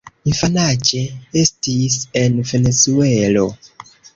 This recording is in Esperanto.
Infanaĝe, estis en Venezuelo.